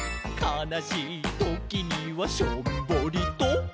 「かなしいときにはしょんぼりと」